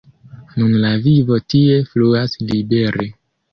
Nun la vivo tie fluas libere.